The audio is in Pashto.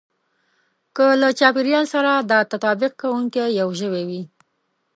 که له چاپېريال سره دا تطابق کوونکی يو ژوی وي.